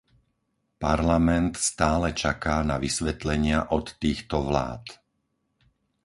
Parlament stále čaká na vysvetlenia od týchto vlád.